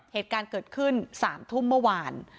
เหตุการณ์เกิดขึ้น๓ทุ่มเมื่อวาน